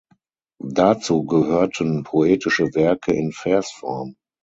Dazu gehörten poetische Werke in Versform.